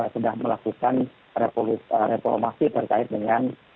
sudah melakukan reformasi terkait dengan